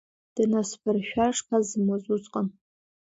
Днасԥыршәар шԥасымуаз усҟан!